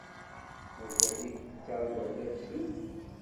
Mazal-ik tettarguḍ tafsut?